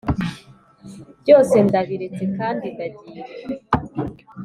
byose ndabiretse kandi ndagiye.